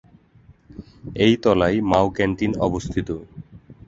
এই তলায় "Mao canteen" অবস্থিত।